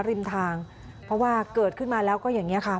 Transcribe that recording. ริมทางเพราะว่าเกิดขึ้นมาแล้วก็อย่างนี้ค่ะ